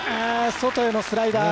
外へのスライダー。